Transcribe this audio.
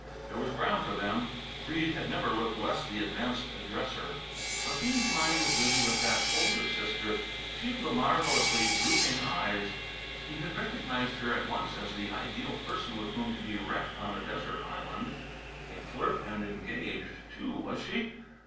There was ground for them. Breede had never looked less the advanced dresser. But Bean's mind was busy with that older sister, she of the marvellously drooping eyes. He had recognized her at once as the ideal person with whom to be wrecked on a desert island. A flirt, and engaged, too, was she?